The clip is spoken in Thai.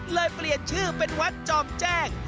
เปลี่ยนชื่อเป็นวัดจอมแจ้ง